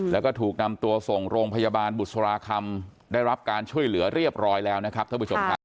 แล้วก็ถูกนำตัวส่งโรงพยาบาลบุษราคำได้รับการช่วยเหลือเรียบร้อยแล้วนะครับท่านผู้ชมครับ